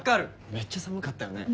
めっちゃ寒かったよね。